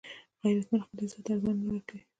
غیرتمند خپل عزت ارزانه نه ورکوي